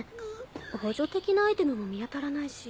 補助的なアイテムも見当たらないし。